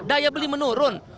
daya beli menurun